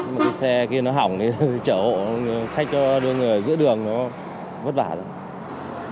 cái xe kia nó hỏng thì chở hộ khách đưa người ở giữa đường nó vất vả rồi